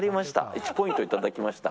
１ポイントいただきました。